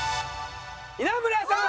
稲村さん！